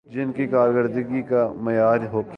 جن کی کارکردگی کا معیار گرگیا